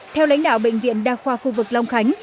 theo lãnh đạo bệnh viện đa khoa khu vực long khánh